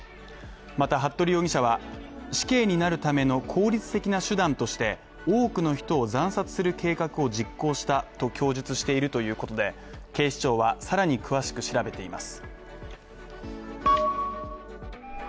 また服部容疑者は死刑になるための効率的な手段として多くの人を惨殺する計画を実行したと供述しているということで、警視庁は、さらに詳しく調べています。